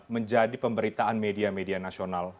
menjadi pemberitaan media media nasional